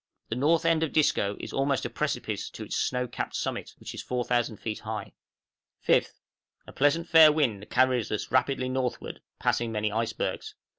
The north end of Disco is almost a precipice to its snow capped summit, which is 4000 feet high. 5th. A pleasant fair wind carries us rapidly northward, passing many icebergs.